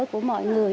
của mọi người